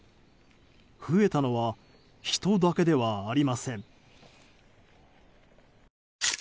増えたのは人だけではありません。